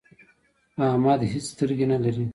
احمد هيڅ سترګې نه لري.